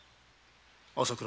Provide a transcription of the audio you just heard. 朝倉。